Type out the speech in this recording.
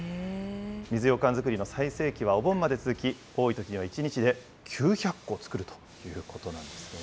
水ようかん作りの最盛期はお盆まで続き、多いときには１日で９００個作るということなんですね。